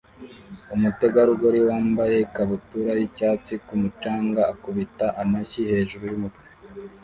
Umutegarugori wambaye ikabutura y'icyatsi ku mucanga akubita amashyi hejuru y'umutwe